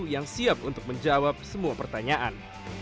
yang siap untuk menjawab semua pertanyaan